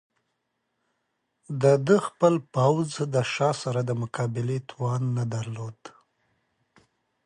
د ده خپل پوځ د شاه سره د مقابلې توان نه درلود.